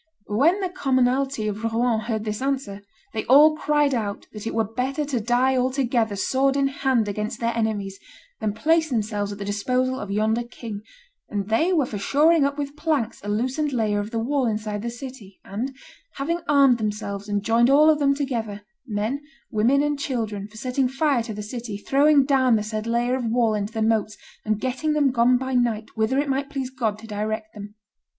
"When the commonalty of Rouen heard this answer, they all cried out that it were better to die all together sword in hand against their enemies than place themselves at the disposal of yonder king, and they were for shoring up with planks a loosened layer of the wall inside the city, and, having armed themselves and joined all of them together, men, women, and children, for setting fire to the city, throwing down the said layer of wall into the moats, and getting them gone by night whither it might please God to direct them."